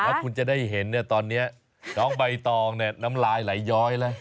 แล้วคุณจะได้เห็นเนี่ยตอนนี้น้องใบตองเนี่ยน้ำลายไหลย้อยแล้ว